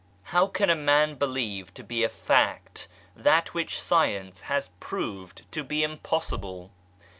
How can a man believe to be a fact that which Science has proved to be impossible